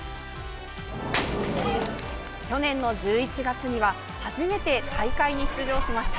去年の１１月には初めて大会に出場しました。